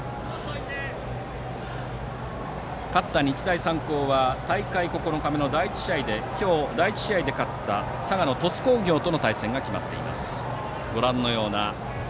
勝った日大三高は大会９日目の第１試合で今日、第１試合で勝った佐賀・鳥栖工業との対戦が決まっています。